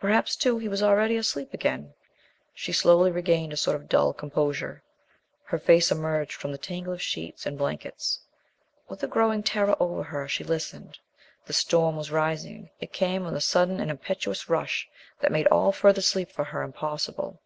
Perhaps, too, he was already asleep again. She slowly regained a sort of dull composure. Her face emerged from the tangle of sheets and blankets. With a growing terror over her she listened. The storm was rising. It came with a sudden and impetuous rush that made all further sleep for her impossible.